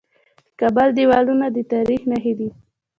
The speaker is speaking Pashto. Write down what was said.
د کابل دیوالونه د تاریخ نښې دي